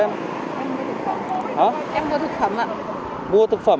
em mua thực phẩm ạ